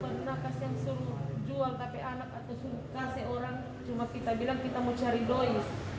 pernah kasih yang suruh jual tapi anak atau suruh kasih orang cuma kita bilang kita mau cari dois